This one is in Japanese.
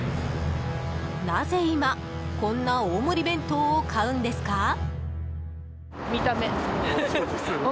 なぜ今、こんな大盛り弁当を買うんですか？